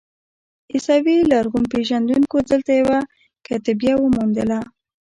عیسوي لرغونپېژندونکو دلته یوه کتیبه وموندله.